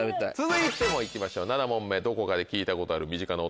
続いて行きましょうどこかで聞いたことある。